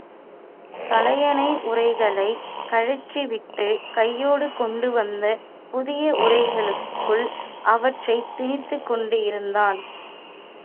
தலையணை உறைகளை கழற்றிவிட்டு, கையோடு கொண்டுவந்த புதிய உறைகளுக்குள் அவற்றை திணித்துக் கொண்டிருந்தான்.